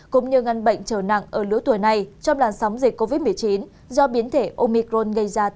cũng như ngăn bệnh trở nặng ở lứa tuổi này trong làn sóng dịch covid một mươi chín do biến thể omicron gây ra